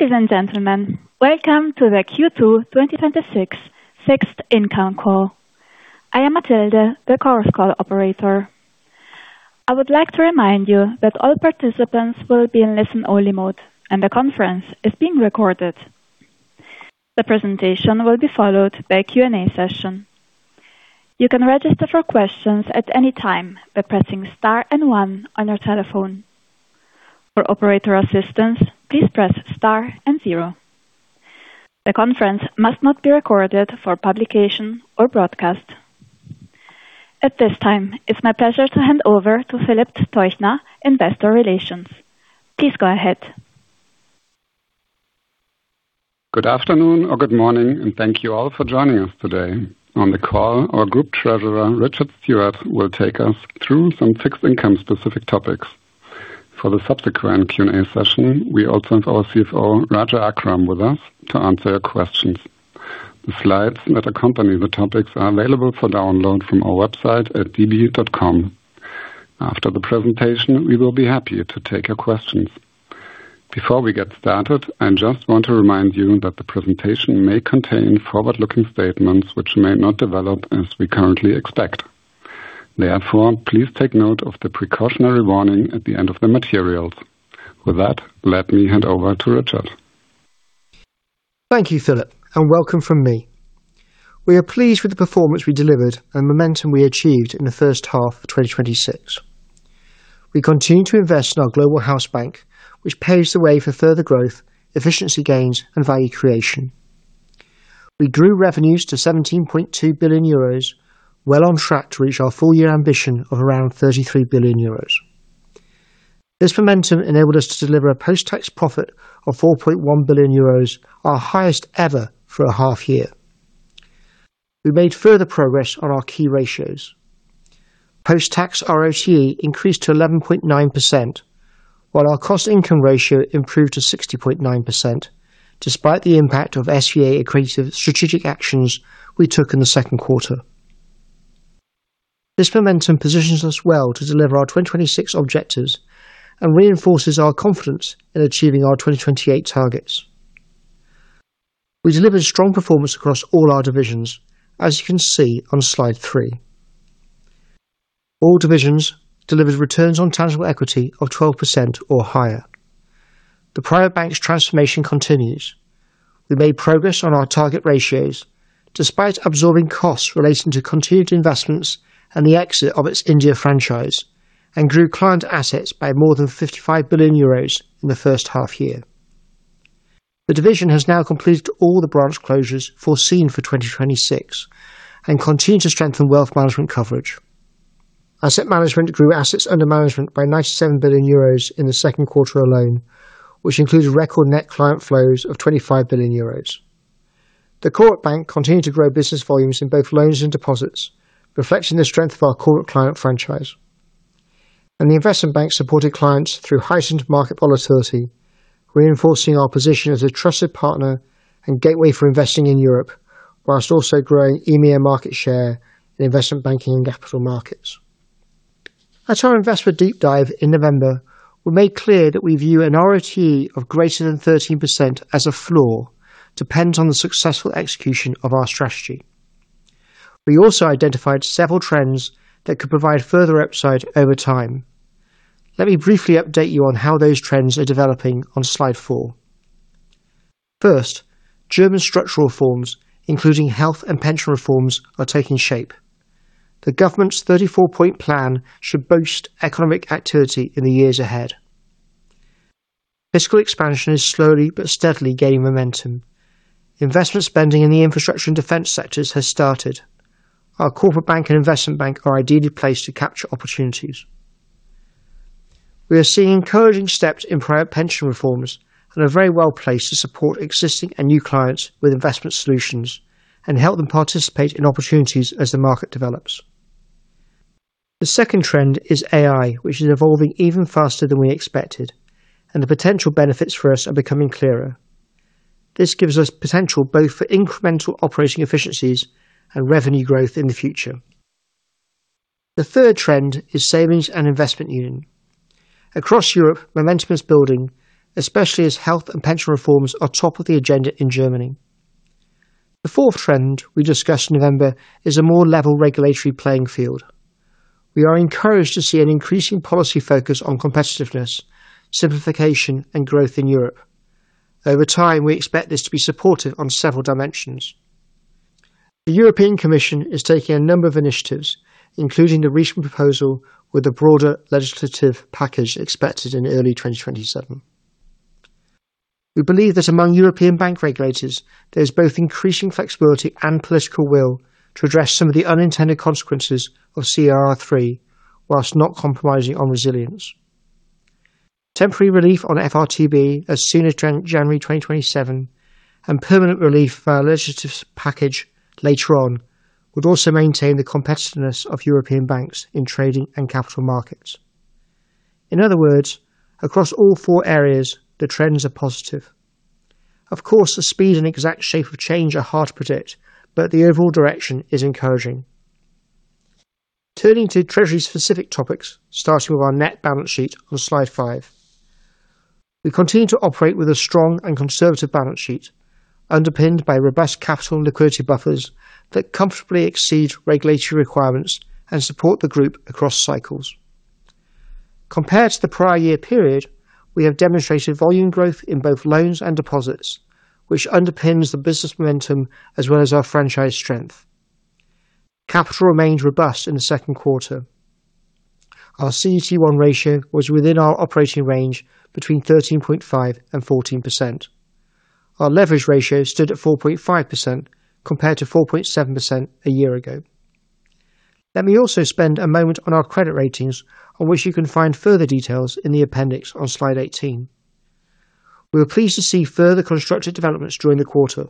Ladies and gentlemen, welcome to the Q2 2026 Fixed Income Call. I am Matilde, the Chorus Call operator. I would like to remind you that all participants will be in listen-only mode, and the conference is being recorded. The presentation will be followed by a Q&A session. You can register for questions at any time by pressing star and one on your telephone. For operator assistance, please press star and zero. The conference must not be recorded for publication or broadcast. At this time, it's my pleasure to hand over to Philip Teuchner, Investor Relations. Please go ahead. Good afternoon or good morning, thank you all for joining us today. On the call, our Group Treasurer, Richard Stewart, will take us through some fixed-income specific topics. For the subsequent Q&A session, we also have our CFO, Raja Akram, with us to answer your questions. The slides that accompany the topics are available for download from our website at db.com. After the presentation, we will be happy to take your questions. Before we get started, I just want to remind you that the presentation may contain forward-looking statements which may not develop as we currently expect. Therefore, please take note of the precautionary warning at the end of the materials. With that, let me hand over to Richard. Thank you, Philip, And welcome from me. We are pleased with the performance we delivered and the momentum we achieved in the first half of 2026. We continue to invest in our global house bank, which paves the way for further growth, efficiency gains, and value creation. We grew revenues to 17.2 billion euros, well on track to reach our full year ambition of around 33 billion euros. This momentum enabled us to deliver a post-tax profit of 4.1 billion euros, our highest ever for a half year. We made further progress on our key ratios. Post-tax ROC increased to 11.9%, while our cost income ratio improved to 60.9%, despite the impact of SVA accretive strategic actions we took in the second quarter. This momentum positions us well to deliver our 2026 objectives and reinforces our confidence in achieving our 2028 targets. We delivered strong performance across all our divisions, as you can see on slide three. All divisions delivered returns on tangible equity of 12% or higher. The prior bank's transformation continues. We made progress on our target ratios despite absorbing costs relating to continued investments and the exit of its India franchise, grew client assets by more than 55 billion euros in the first half year. The division has now completed all the branch closures foreseen for 2026 and continue to strengthen wealth management coverage. Asset management grew assets under management by 97 billion euros in the second quarter alone, which includes record net client flows of 25 billion euros. The corporate bank continued to grow business volumes in both loans and deposits, reflecting the strength of our corporate client franchise. The investment bank supported clients through heightened market volatility, reinforcing our position as a trusted partner and gateway for investing in Europe, whilst also growing EMEA market share in investment banking and capital markets. At our Investor Deep Dive in November, we made clear that we view an ROT of greater than 13% as a floor, dependent on the successful execution of our strategy. We also identified several trends that could provide further upside over time. Let me briefly update you on how those trends are developing on slide four. First, German structural reforms, including health and pension reforms, are taking shape. The government's 34-point plan should boost economic activity in the years ahead. Fiscal expansion is slowly but steadily gaining momentum. Investment spending in the infrastructure and defense sectors has started. Our corporate bank and investment bank are ideally placed to capture opportunities. We are seeing encouraging steps in private pension reforms and are very well placed to support existing and new clients with investment solutions and help them participate in opportunities as the market develops. The second trend is AI, which is evolving even faster than we expected, and the potential benefits for us are becoming clearer. This gives us potential both for incremental operating efficiencies and revenue growth in the future. The third trend is Savings and Investment Union. Across Europe, momentum is building, especially as health and pension reforms are top of the agenda in Germany. The fourth trend we discussed in November is a more level regulatory playing field. We are encouraged to see an increasing policy focus on competitiveness, simplification, and growth in Europe. Over time, we expect this to be supportive on several dimensions. The European Commission is taking a number of initiatives, including the recent proposal with a broader legislative package expected in early 2027. We believe that among European bank regulators, there is both increasing flexibility and political will to address some of the unintended consequences of CRR3 whilst not compromising on resilience. Temporary relief on FRTB as soon as January 2027 and permanent relief via legislative package later on would also maintain the competitiveness of European banks in trading and capital markets. In other words, across all four areas, the trends are positive. Of course, the speed and exact shape of change are hard to predict, but the overall direction is encouraging. Turning to treasury specific topics, starting with our net balance sheet on Slide five. We continue to operate with a strong and conservative balance sheet, underpinned by robust capital and liquidity buffers that comfortably exceed regulatory requirements and support the group across cycles. Compared to the prior year period, we have demonstrated volume growth in both loans and deposits, which underpins the business momentum as well as our franchise strength. Capital remains robust in the second quarter. Our CET1 ratio was within our operating range between 13.5% and 14%. Our leverage ratio stood at 4.5% compared to 4.7% a year ago. Let me also spend a moment on our credit ratings, on which you can find further details in the appendix on Slide 18. We were pleased to see further constructive developments during the quarter.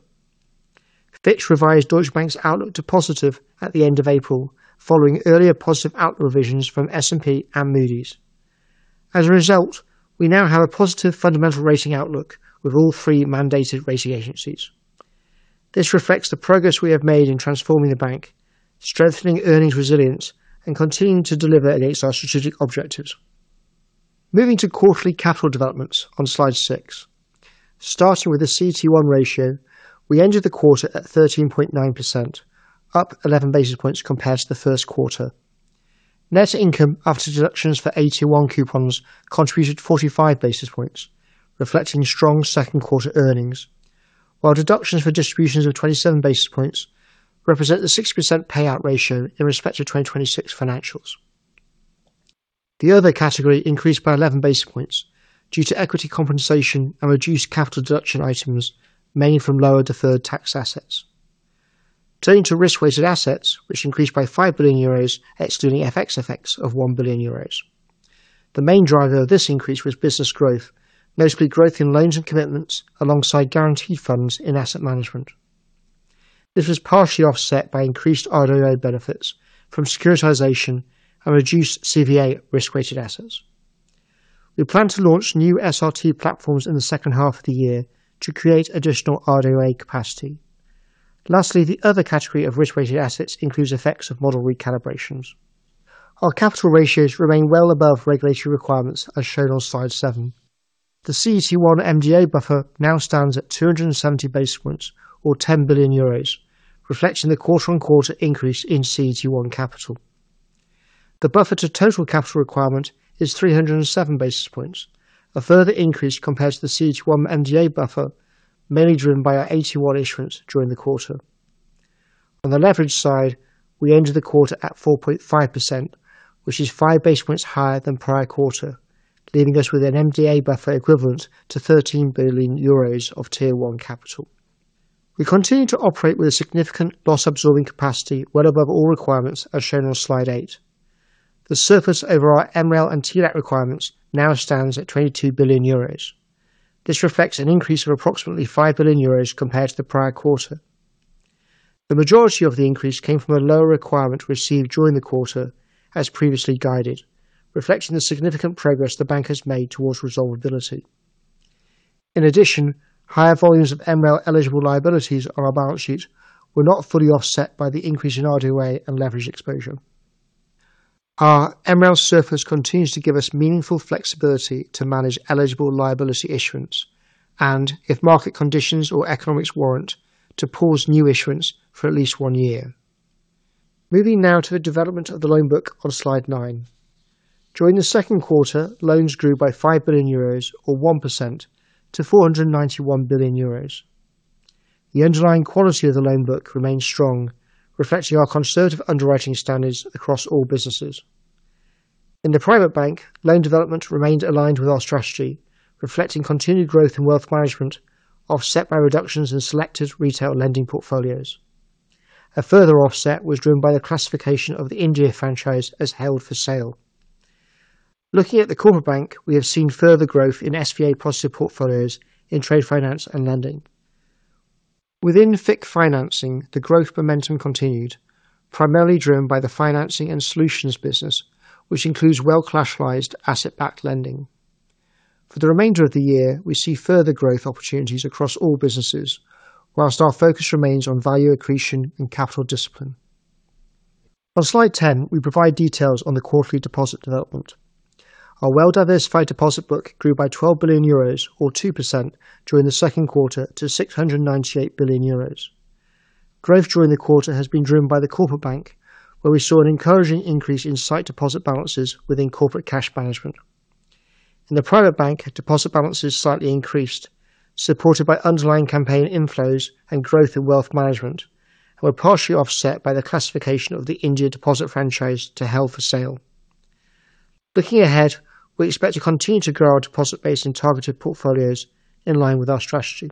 Fitch revised Deutsche Bank's outlook to positive at the end of April, following earlier positive outlook revisions from S&P and Moody's. As a result, we now have a positive fundamental rating outlook with all three mandated rating agencies. This reflects the progress we have made in transforming the bank, strengthening earnings resilience, and continuing to deliver against our strategic objectives. Moving to quarterly capital developments on Slide six. Starting with the CET1 ratio, we ended the quarter at 13.9%, up 11 basis points compared to the first quarter. Net income after deductions for AT1 coupons contributed 45 basis points, reflecting strong second quarter earnings. While deductions for distributions of 27 basis points represent the 60% payout ratio in respect to 2026 financials. The other category increased by 11 basis points due to equity compensation and reduced capital deduction items, mainly from lower deferred tax assets. Turning to risk-weighted assets, which increased by 5 billion euros, excluding FX effects of 1 billion euros. The main driver of this increase was business growth, mostly growth in loans and commitments alongside guaranteed funds in asset management. This was partially offset by increased RWA benefits from securitization and reduced CVA risk-weighted assets. We plan to launch new SRT platforms in the second half of the year to create additional RWA capacity. Lastly, the other category of risk-weighted assets includes effects of model recalibrations. Our capital ratios remain well above regulatory requirements as shown on Slide seven. The CET1 MDA buffer now stands at 270 basis points or 10 billion euros, reflecting the quarter-on-quarter increase in CET1 capital. The buffer to total capital requirement is 307 basis points, a further increase compared to the CET1 MDA buffer, mainly driven by our AT1 issuance during the quarter. On the leverage side, we ended the quarter at 4.5%, which is 5 basis points higher than prior quarter, leaving us with an MDA buffer equivalent to 13 billion euros of Tier one capital. We continue to operate with a significant loss-absorbing capacity well above all requirements, as shown on Slide eight. The surplus over our MREL and TLAC requirements now stands at 22 billion euros. This reflects an increase of approximately 5 billion euros compared to the prior quarter. The majority of the increase came from a lower requirement received during the quarter, as previously guided, reflecting the significant progress the bank has made towards resolvability. In addition, higher volumes of MREL eligible liabilities on our balance sheet were not fully offset by the increase in RWA and leverage exposure. Our MREL surplus continues to give us meaningful flexibility to manage eligible liability issuance, and if market conditions or economics warrant, to pause new issuance for at least one year. Moving now to the development of the loan book on Slide nine. During the second quarter, loans grew by 5 billion euros or 1% to 491 billion euros. The underlying quality of the loan book remains strong, reflecting our conservative underwriting standards across all businesses. In the private bank, loan development remained aligned with our strategy, reflecting continued growth in wealth management, offset by reductions in selected retail lending portfolios. A further offset was driven by the classification of the India franchise as held for sale. Looking at the corporate bank, we have seen further growth in SVA positive portfolios in trade finance and lending. Within FICC financing, the growth momentum continued, primarily driven by the financing and solutions business, which includes well collateralized asset-backed lending. For the remainder of the year, we see further growth opportunities across all businesses, whilst our focus remains on value accretion and capital discipline. On Slide 10, we provide details on the quarterly deposit development. Our well-diversified deposit book grew by 12 billion euros or 2% during the second quarter to 698 billion euros. Growth during the quarter has been driven by the corporate bank, where we saw an encouraging increase in sight deposit balances within corporate cash management. In the private bank, deposit balances slightly increased, supported by underlying campaign inflows and growth in wealth management, and were partially offset by the classification of the India deposit franchise to held for sale. Looking ahead, we expect to continue to grow our deposit base in targeted portfolios in line with our strategy.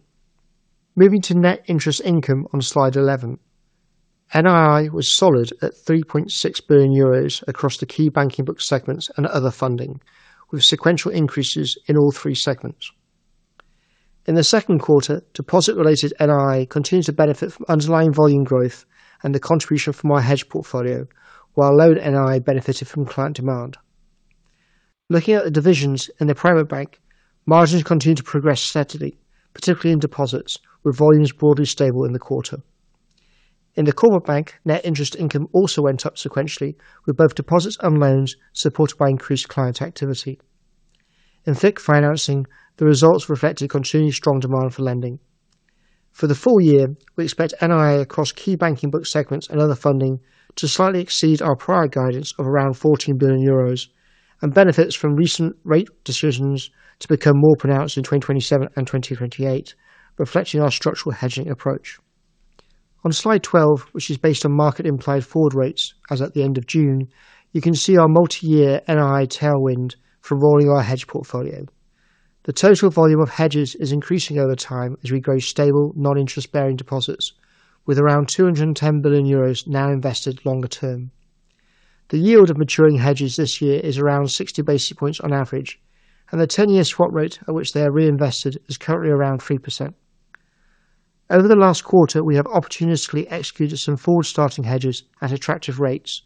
Moving to net interest income on Slide 11. NII was solid at EUR 3.6 billion across the key banking book segments and other funding, with sequential increases in all three segments. In the second quarter, deposit related NII continues to benefit from underlying volume growth and the contribution from our hedge portfolio. While loan NII benefited from client demand. Looking at the divisions in the private bank, margins continued to progress steadily, particularly in deposits, with volumes broadly stable in the quarter. In the corporate bank, net interest income also went up sequentially with both deposits and loans supported by increased client activity. In FICC financing, the results reflected continued strong demand for lending. For the full year, we expect NII across key banking book segments and other funding to slightly exceed our prior guidance of around 14 billion euros and benefits from recent rate decisions to become more pronounced in 2027 and 2028, reflecting our structural hedging approach. On Slide 12, which is based on market implied forward rates as at the end of June, you can see our multi-year NII tailwind from rolling our hedge portfolio. The total volume of hedges is increasing over time as we grow stable non-interest-bearing deposits with around 210 billion euros now invested longer term. The yield of maturing hedges this year is around 60 basis points on average, and the 10-year swap rate at which they are reinvested is currently around 3%. Over the last quarter, we have opportunistically executed some forward-starting hedges at attractive rates,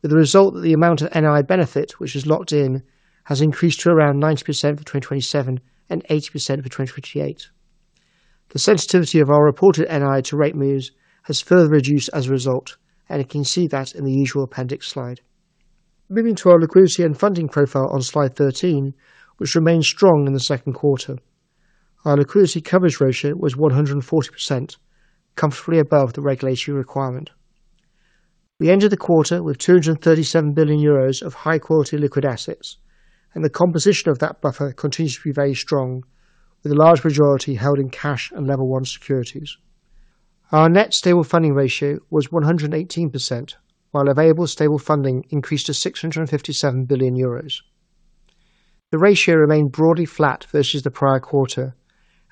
with the result that the amount of NII benefit which is locked in has increased to around 90% for 2027 and 80% for 2028. The sensitivity of our reported NII to rate moves has further reduced as a result, and you can see that in the usual appendix slide. Moving to our liquidity and funding profile on Slide 13, which remains strong in the second quarter. Our liquidity coverage ratio was 140%, comfortably above the regulatory requirement. We ended the quarter with 237 billion euros of high-quality liquid assets, and the composition of that buffer continues to be very strong, with a large majority held in cash and level one securities. Our net stable funding ratio was 118%, while available stable funding increased to 657 billion euros. The ratio remained broadly flat versus the prior quarter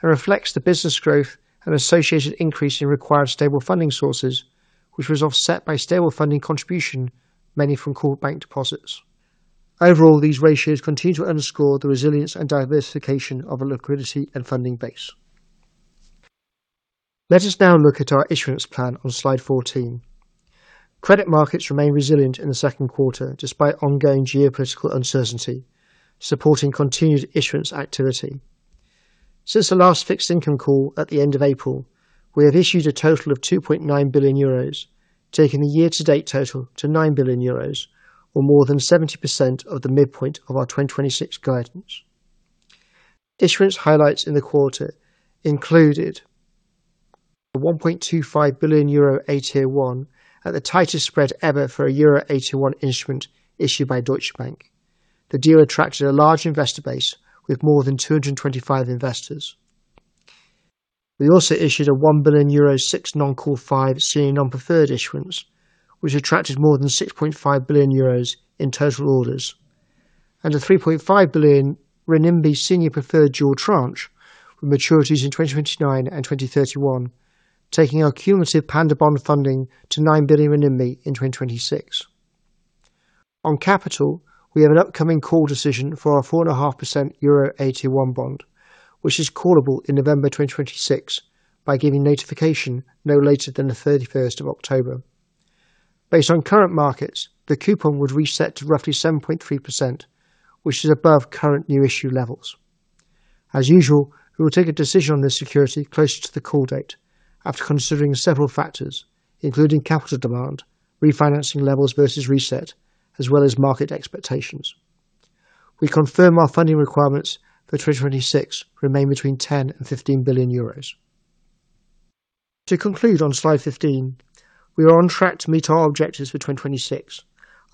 and reflects the business growth and associated increase in required stable funding sources, which was offset by stable funding contribution, mainly from corporate bank deposits. Overall, these ratios continue to underscore the resilience and diversification of a liquidity and funding base. Let us now look at our issuance plan on slide 14. Credit markets remain resilient in the second quarter, despite ongoing geopolitical uncertainty, supporting continued issuance activity. Since the last fixed income call at the end of April, we have issued a total of 2.9 billion euros, taking the year-to-date total to 9 billion euros, or more than 70% of the midpoint of our 2026 guidance. Issuance highlights in the quarter included a 1.25 billion euro AT1 at the tightest spread ever for a euro AT1 instrument issued by Deutsche Bank. The deal attracted a large investor base with more than 225 investors. We also issued a 1 billion euro six non-call five Senior Non-Preferred issuance, which attracted more than 6.5 billion euros in total orders, and a 3.5 billion senior preferred dual tranche with maturities in 2029 and 2031, taking our cumulative panda bond funding to 9 billion renminbi in 2026. On capital, we have an upcoming call decision for our 4.5% euro AT1 bond, which is callable in November 2026 by giving notification no later than the 31st of October. Based on current markets, the coupon would reset to roughly 7.3%, which is above current new issue levels. As usual, we will take a decision on this security closer to the call date after considering several factors, including capital demand, refinancing levels versus reset, as well as market expectations. We confirm our funding requirements for 2026 remain between 10 billion and 15 billion euros. To conclude on slide 15, we are on track to meet our objectives for 2026.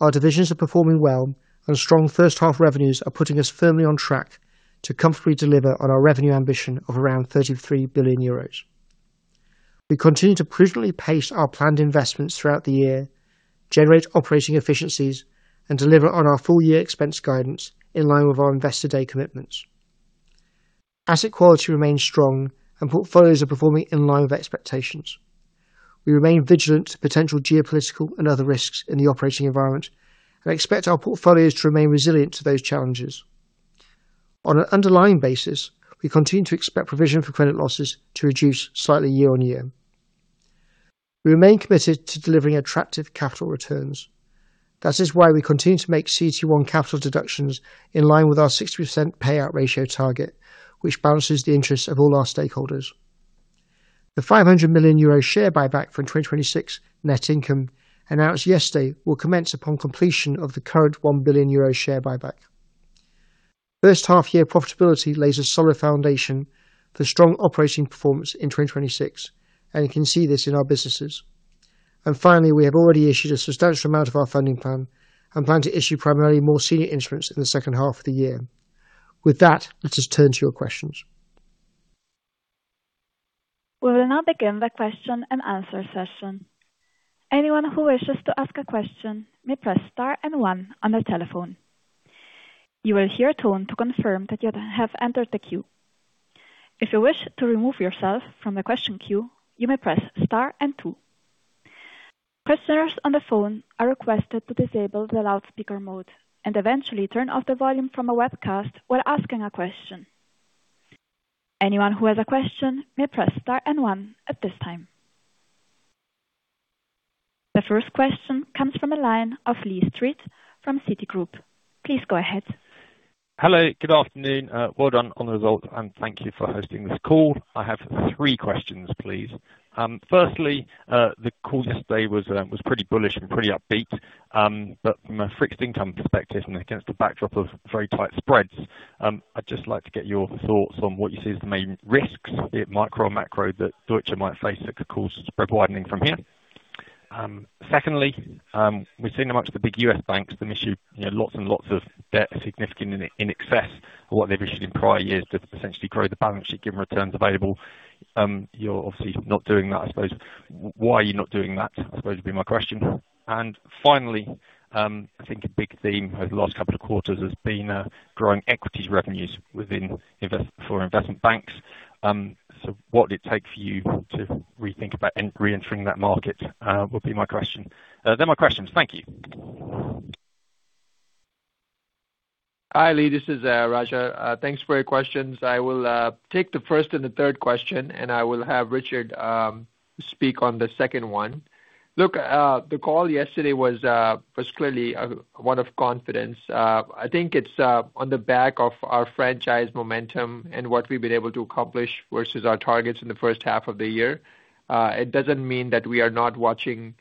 Our divisions are performing well, and strong first half revenues are putting us firmly on track to comfortably deliver on our revenue ambition of around 33 billion euros. We continue to prudently pace our planned investments throughout the year, generate operating efficiencies, and deliver on our full-year expense guidance in line with our investor day commitments. Asset quality remains strong and portfolios are performing in line with expectations. We remain vigilant to potential geopolitical and other risks in the operating environment and expect our portfolios to remain resilient to those challenges. On an underlying basis, we continue to expect provision for credit losses to reduce slightly year-on-year. We remain committed to delivering attractive capital returns. That is why we continue to make CET1 capital deductions in line with our 60% payout ratio target, which balances the interests of all our stakeholders. The 500 million euro share buyback from 2026 net income announced yesterday will commence upon completion of the current 1 billion euro share buyback. First half year profitability lays a solid foundation for strong operating performance in 2026, and you can see this in our businesses. Finally, we have already issued a substantial amount of our funding plan and plan to issue primarily more senior instruments in the second half of the year. With that, let us turn to your questions. We will now begin the question and answer session. Anyone who wishes to ask a question may press star one on their telephone. You will hear a tone to confirm that you have entered the queue. If you wish to remove yourself from the question queue, you may press star two. Participants on the phone are requested to disable the loudspeaker mode and eventually turn off the volume from a webcast while asking a question. Anyone who has a question may press star one at this time. The first question comes from the line of Lee Street from Citigroup. Please go ahead. Hello. Good afternoon. Well done on the results. Thank you for hosting this call. I have three questions, please. Firstly, the call this day was pretty bullish and pretty upbeat. From a fixed income perspective and against the backdrop of very tight spreads, I'd just like to get your thoughts on what you see as the main risks, be it micro or macro, that Deutsche might face that could cause spread widening from here. Secondly, we've seen how much the big U.S. banks have issued lots and lots of debt, significant in excess of what they've issued in prior years to essentially grow the balance sheet, given returns available. You're obviously not doing that, I suppose. Why are you not doing that? I suppose would be my question. Finally, I think a big theme over the last couple of quarters has been growing equities revenues for investment banks. What would it take for you to rethink about reentering that market? Would be my question. They're my questions. Thank you. Hi, Lee, this is Raja. Thanks for your questions. I will take the first and the third question, and I will have Richard speak on the second one. Look, the call yesterday was clearly one of confidence. I think it's on the back of our franchise momentum and what we've been able to accomplish versus our targets in the first half of the year. It doesn't mean that we are not watching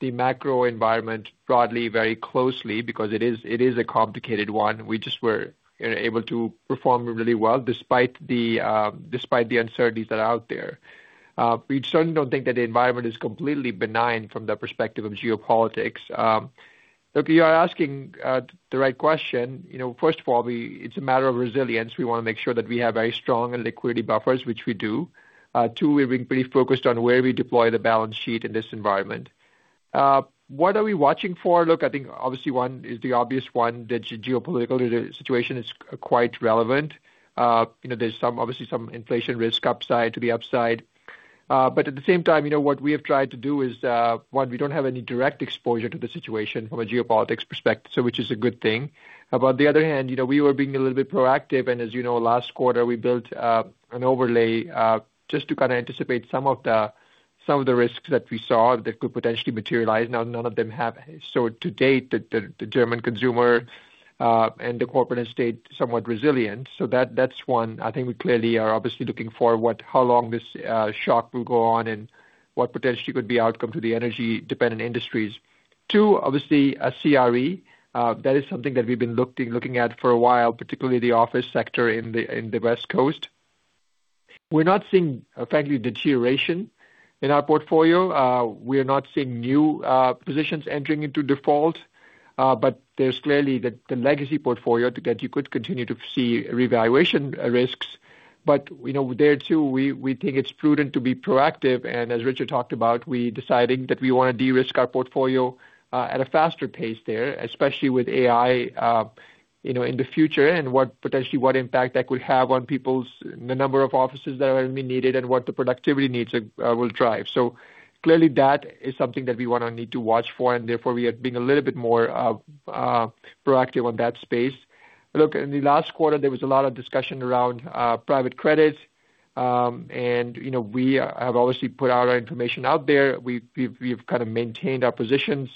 the macro environment broadly very closely because it is a complicated one. We just were able to perform really well despite the uncertainties that are out there. We certainly don't think that the environment is completely benign from the perspective of geopolitics. Look, you are asking the right question. First of all, it's a matter of resilience. We want to make sure that we have very strong and liquidity buffers, which we do. We've been pretty focused on where we deploy the balance sheet in this environment. What are we watching for? Look, I think obviously one is the obvious one, that geopolitical situation is quite relevant. There's obviously some inflation risk upside to the upside. At the same time, what we have tried to do is, one, we don't have any direct exposure to the situation from a geopolitics perspective, which is a good thing. On the other hand, we were being a little bit proactive, and as you know, last quarter, we built an overlay just to kind of anticipate some of the risks that we saw that could potentially materialize. Now, none of them have. To date, the German consumer and the corporate estate somewhat resilient. That's one. I think we clearly are obviously looking for how long this shock will go on and what potentially could be outcome to the energy-dependent industries. Obviously, CRE. That is something that we've been looking at for a while, particularly the office sector in the West Coast. We're not seeing, frankly, deterioration in our portfolio. We are not seeing new positions entering into default. There's clearly the legacy portfolio that you could continue to see revaluation risks. There, too, we think it's prudent to be proactive. As Richard talked about, we deciding that we want to de-risk our portfolio at a faster pace there, especially with AI in the future and potentially what impact that could have on the number of offices that are going to be needed and what the productivity needs will drive. Clearly that is something that we want to need to watch for, therefore, we are being a little bit more proactive on that space. Look, in the last quarter, there was a lot of discussion around private credits, and we have obviously put our information out there. We've kind of maintained our positions.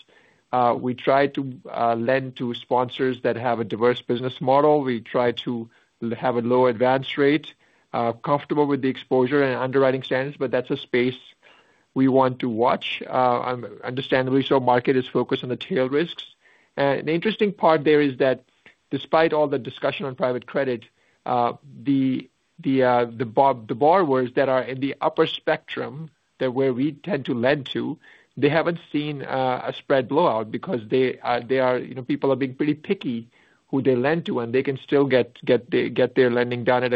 We try to lend to sponsors that have a diverse business model. We try to have a lower advance rate, comfortable with the exposure and underwriting standards, that's a space we want to watch. Understandably so, market is focused on the tail risks. The interesting part there is that despite all the discussion on private credit, the borrowers that are in the upper spectrum, that where we tend to lend to, they haven't seen a spread blowout because people are being pretty picky who they lend to, and they can still get their lending done at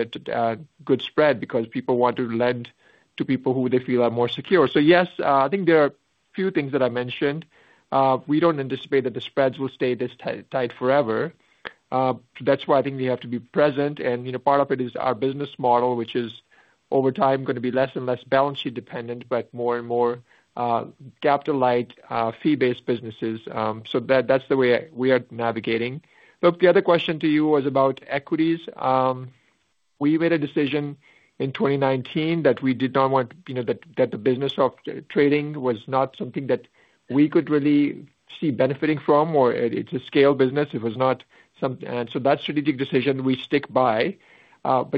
a good spread because people want to lend to people who they feel are more secure. Yes, I think there are few things that I mentioned. We don't anticipate that the spreads will stay this tight forever. That's why I think we have to be present, part of it is our business model, which is over time going to be less and less balance sheet dependent, more and more capital-light, fee-based businesses. That's the way we are navigating. Look, the other question to you was about equities. We made a decision in 2019 that we did not want, that the business of trading was not something that we could really see benefiting from, or it's a scale business. That strategic decision we stick by.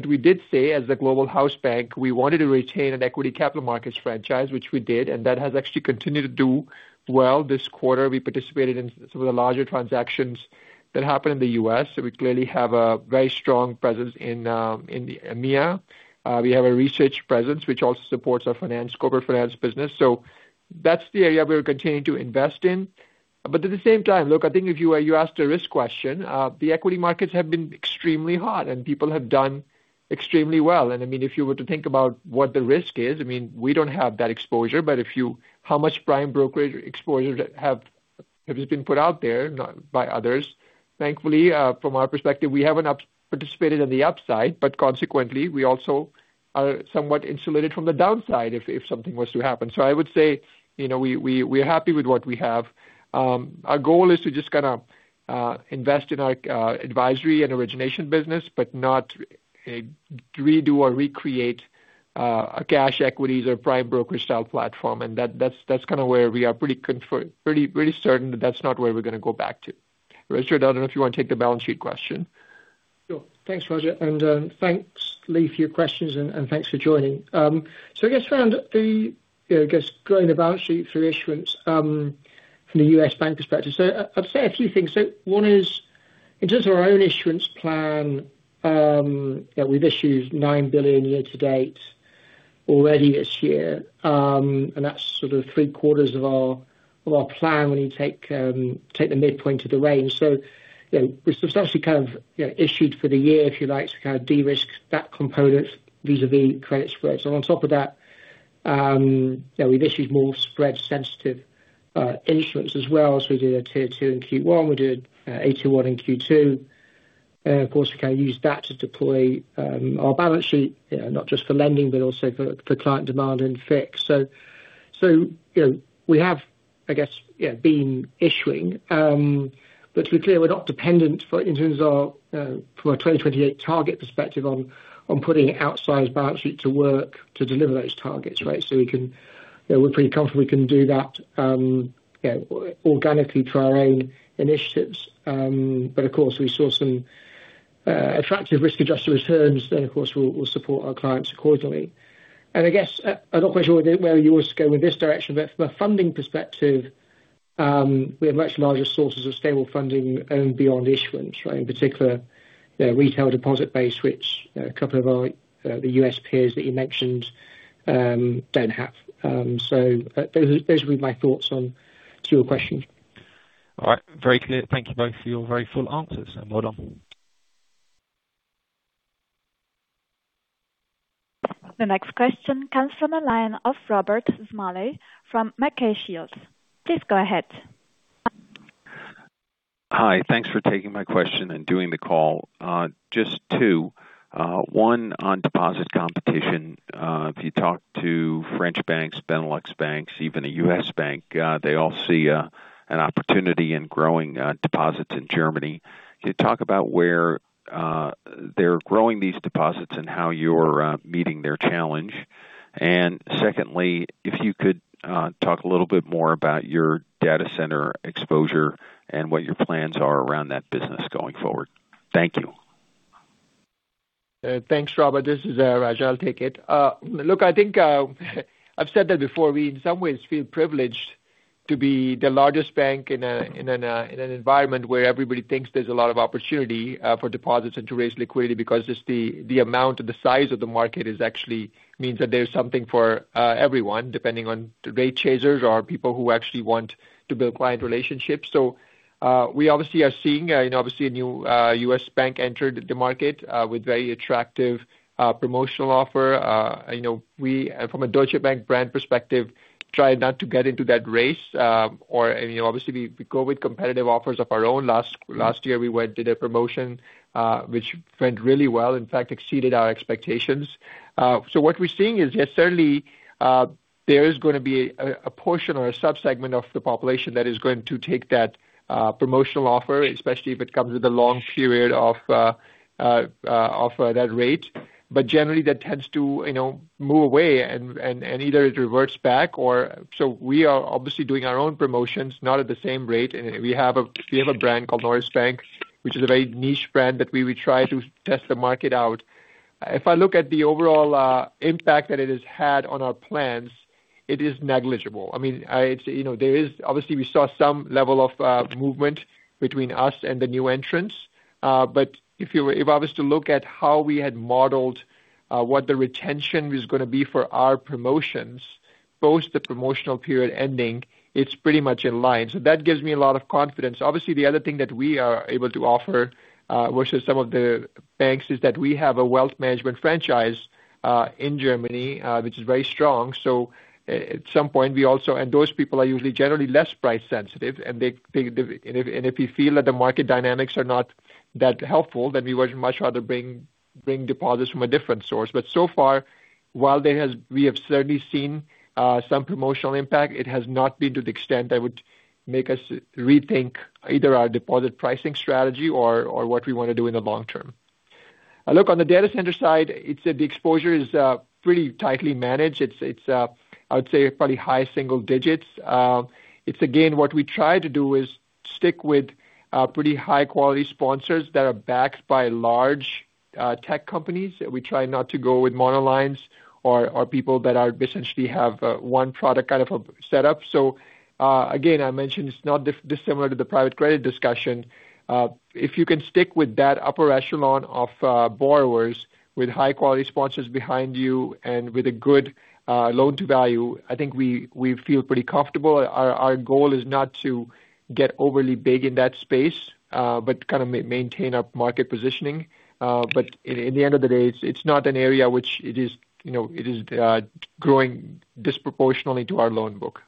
We did say as the global house bank, we wanted to retain an equity capital markets franchise, which we did, and that has actually continued to do well this quarter. We participated in some of the larger transactions that happened in the U.S. We clearly have a very strong presence in EMEA. We have a research presence which also supports our corporate finance business. That's the area we're continuing to invest in. At the same time, look, I think you asked a risk question. The equity markets have been extremely hot, and people have done extremely well. If you were to think about what the risk is, we don't have that exposure, but how much prime brokerage exposure that has been put out there by others. Thankfully, from our perspective, we haven't participated in the upside, but consequently, we also are somewhat insulated from the downside if something was to happen. I would say we're happy with what we have. Our goal is to just kind of invest in our advisory and origination business, but not redo or recreate a cash equities or prime broker style platform. That's kind of where we are pretty certain that's not where we're going to go back to. Richard, I don't know if you want to take the balance sheet question. Sure. Thanks, Raja, and thanks Lee for your questions, and thanks for joining. I guess around the growing the balance sheet through issuance from the U.S. Bank perspective. I'd say a few things. One is, in terms of our own issuance plan, we've issued 9 billion year to date already this year, and that's sort of three quarters of our plan when you take the midpoint of the range. We've substantially kind of issued for the year, if you like, to kind of de-risk that component vis-à-vis credit spreads. On top of that, we've issued more spread sensitive issuance as well. We did a Tier two in Q1, we did AT1 in Q2. Of course, we can use that to deploy our balance sheet, not just for lending but also for client demand and FICC. We have, I guess, been issuing. To be clear, we're not dependent in terms of our 2028 target perspective on putting outsized balance sheet to work to deliver those targets, right? We're pretty comfortable we can do that organically through our own initiatives. Of course, we saw some attractive risk-adjusted returns, then, of course, we'll support our clients accordingly. I guess I'm not quite sure where you want us to go in this direction, but from a funding perspective, we have much larger sources of stable funding beyond issuance. In particular, retail deposit base, which a couple of the U.S. peers that you mentioned don't have. Those would be my thoughts to your question. All right. Very clear. Thank you both for your very full answers, and well done. The next question comes from the line of Robert Smalley from MacKay Shields. Please go ahead. Hi. Thanks for taking my question and doing the call. Just two. One on deposit competition. If you talk to French banks, Benelux banks, even a U.S. bank, they all see an opportunity in growing deposits in Germany. Can you talk about where they're growing these deposits and how you're meeting their challenge? Secondly, if you could talk a little bit more about your data center exposure and what your plans are around that business going forward. Thank you. Thanks, Robert. This is Raja. I'll take it. Look, I think I've said that before. We, in some ways, feel privileged to be the largest bank in an environment where everybody thinks there's a lot of opportunity for deposits and to raise liquidity because just the amount or the size of the market actually means that there's something for everyone, depending on the rate chasers or people who actually want to build client relationships. We obviously are seeing, and obviously a new U.S. bank entered the market with very attractive promotional offer. From a Deutsche Bank brand perspective, try not to get into that race. Obviously, we go with competitive offers of our own. Last year, we did a promotion which went really well, in fact, exceeded our expectations. What we are seeing is, yes, certainly there is going to be a portion or a subsegment of the population that is going to take that promotional offer, especially if it comes with a long period of that rate. Generally, that tends to move away and either it reverts back or we are obviously doing our own promotions, not at the same rate. We have a brand called Norisbank, which is a very niche brand that we would try to test the market out. If I look at the overall impact that it has had on our plans, it is negligible. Obviously, we saw some level of movement between us and the new entrants. If I was to look at how we had modeled what the retention was going to be for our promotions, post the promotional period ending, it is pretty much in line. That gives me a lot of confidence. Obviously, the other thing that we are able to offer versus some of the banks is that we have a wealth management franchise in Germany, which is very strong. Those people are usually generally less price sensitive, and if we feel that the market dynamics are not that helpful, then we would much rather bring deposits from a different source. So far, while we have certainly seen some promotional impact, it has not been to the extent that would make us rethink either our deposit pricing strategy or what we want to do in the long term. Look, on the data center side, the exposure is pretty tightly managed. It is, I would say, probably high single digits. It is again, what we try to do is stick with pretty high-quality sponsors that are backed by large tech companies. We try not to go with monolines or people that essentially have one product kind of a setup. Again, I mentioned it is not dissimilar to the private credit discussion. If you can stick with that upper echelon of borrowers with high-quality sponsors behind you and with a good loan-to-value, I think we feel pretty comfortable. Our goal is not to get overly big in that space, but kind of maintain our market positioning. In the end of the day, it is not an area which it is growing disproportionally to our loan book.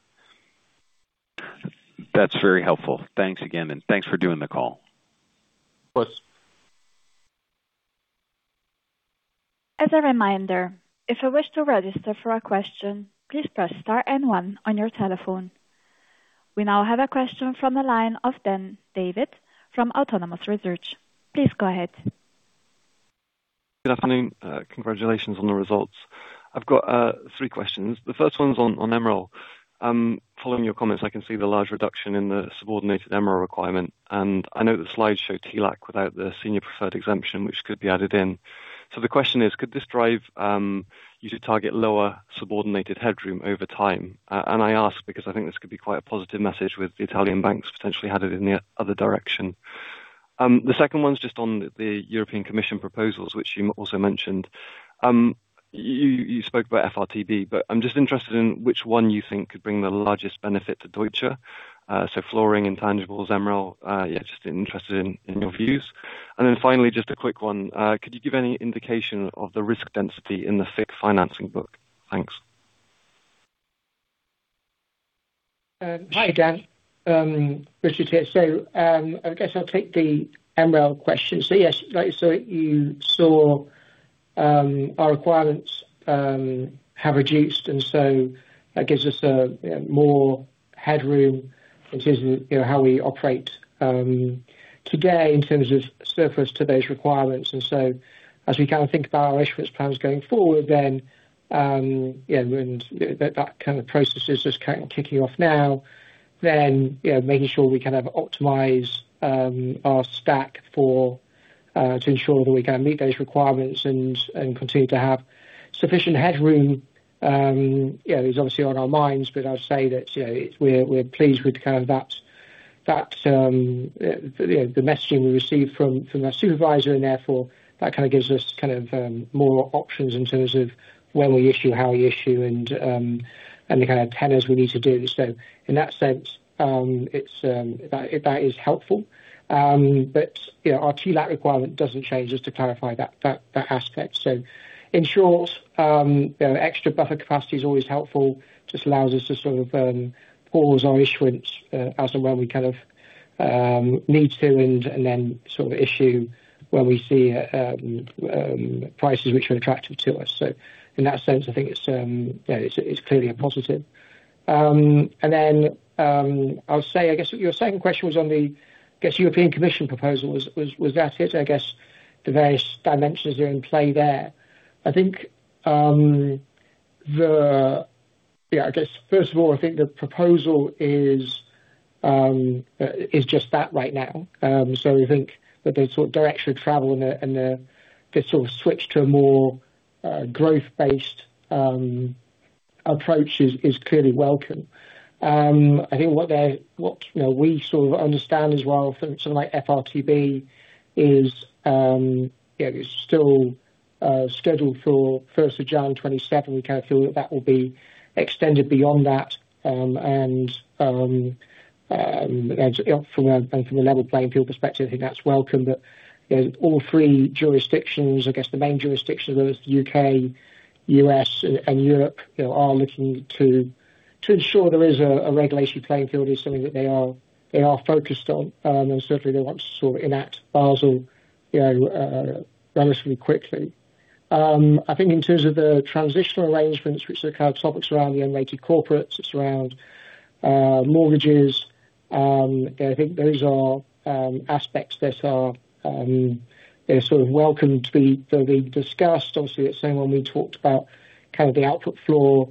That is very helpful. Thanks again, and thanks for doing the call. Of course. As a reminder, if you wish to register for a question, please press star and one on your telephone. We now have a question from the line of Daniel David from Autonomous Research. Please go ahead. Good afternoon. Congratulations on the results. I've got three questions. The first one's on MREL. Following your comments, I can see the large reduction in the subordinated MREL requirement, and I know the slides show TLAC without the senior preferred exemption, which could be added in. The question is, could this drive you to target lower subordinated headroom over time? I ask because I think this could be quite a positive message with the Italian banks potentially headed in the other direction. The second one's just on the European Commission proposals, which you also mentioned. You spoke about FRTB, but I'm just interested in which one you think could bring the largest benefit to Deutsche. Flooring intangibles, MREL, just interested in your views. Finally, just a quick one. Could you give any indication of the risk density in the FICC financing book? Thanks. Hi, Dan. Richard here. I guess I'll take the MREL question. Yes, you saw our requirements have reduced, and so that gives us more headroom in terms of how we operate today in terms of surplus to those requirements. As we think about our issuance plans going forward then, that kind of process is just kicking off now. Making sure we optimize our stack to ensure that we can meet those requirements and continue to have sufficient headroom is obviously on our minds, I'd say that we're pleased with the messaging we received from our supervisor, Therefore, that gives us more options in terms of when we issue, how we issue, and the kind of tenors we need to do. In that sense, that is helpful. Our TLAC requirement doesn't change, just to clarify that aspect. In short, extra buffer capacity is always helpful, just allows us to pause our issuance as and when we need to, and then issue when we see prices which are attractive to us. In that sense, I think it's clearly a positive. Then, I guess your second question was on the European Commission proposals. Was that it? I guess the various dimensions are in play there. I guess first of all, I think the proposal is just that right now. We think that the direction of travel and the switch to a more growth-based approach is clearly welcome. I think what we understand as well for something like FRTB is it's still scheduled for 1st of January 2027. We feel that will be extended beyond that, and from a level playing field perspective, I think that's welcome. All three jurisdictions, I guess the main jurisdictions, whether it's the U.K., U.S., and Europe, they are looking to ensure there is a regulation playing field is something that they are focused on. Certainly, they want to enact Basel relatively quickly. I think in terms of the transitional arrangements, which the topics around the unrelated corporates, it's around mortgages. I think those are aspects that are welcome to be discussed. Obviously, at same when we talked about the output floor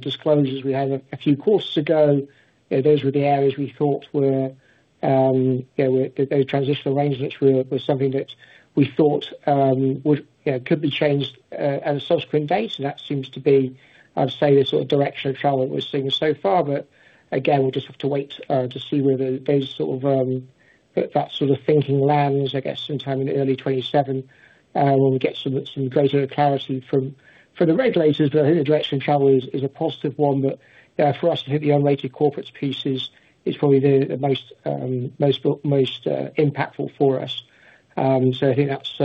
disclosures we had a few quarters ago, those were the areas we thought those transitional arrangements were something that we thought could be changed at a subsequent date. That seems to be, I would say, the direction of travel that we're seeing so far. Again, we'll just have to wait to see where that thinking lands, I guess, sometime in early 2027, when we get some greater clarity from the regulators. I think the direction of travel is a positive one. For us to hit the unrelated corporates pieces is probably the most impactful for us. I think that's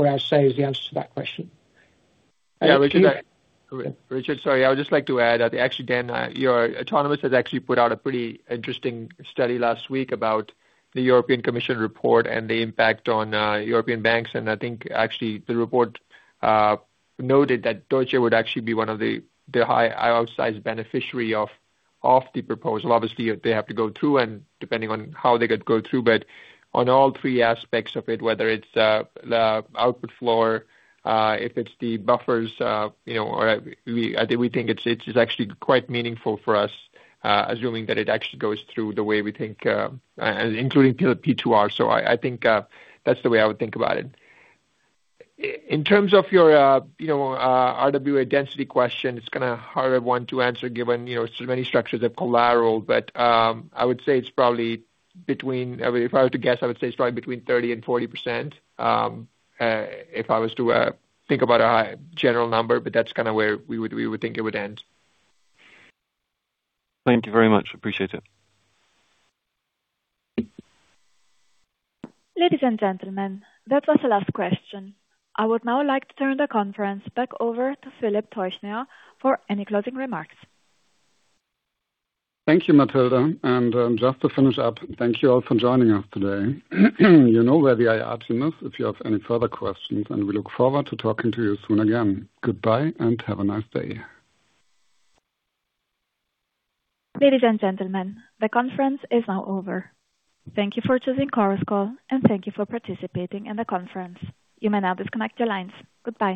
what I would say is the answer to that question. Richard, sorry. I would just like to add, actually, Dan, your Autonomous has actually put out a pretty interesting study last week about the European Commission report and the impact on European banks, and I think actually the report noted that Deutsche would actually be one of the high outsized beneficiary of the proposal. Obviously, they have to go through and depending on how they could go through, but on all three aspects of it, whether it's the output floor, if it's the buffers, we think it's actually quite meaningful for us, assuming that it actually goes through the way we think, including P2R. I think that's the way I would think about it. In terms of your RWA density question, it's kind of a harder one to answer given so many structures of collateral. I would say it's probably between, if I were to guess, I would say it's right between 30% and 40%, if I was to think about a general number. That's where we would think it would end. Thank you very much. Appreciate it. Ladies and gentlemen, that was the last question. I would now like to turn the conference back over to Philip Teuchner for any closing remarks. Thank you, Matilda. Just to finish up, thank you all for joining us today. You know where the IR team is if you have any further questions, and we look forward to talking to you soon again. Goodbye, and have a nice day. Ladies and gentlemen, the conference is now over. Thank you for choosing Chorus Call, and thank you for participating in the conference. You may now disconnect your lines. Goodbye